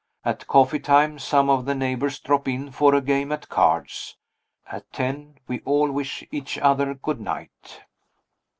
At coffee time, some of the neighbors drop in for a game at cards. At ten, we all wish each other good night.